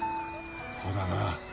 ほうだな。